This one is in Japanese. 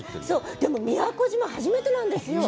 でも、宮古島は初めてなんですよ。